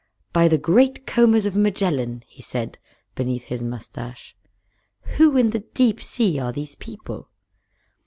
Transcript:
"By the Great Combers of Magellan!" he said, beneath his mustache. "Who in the Deep Sea are these people?"